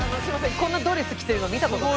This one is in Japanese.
こんなドレス着てるの見た事ない。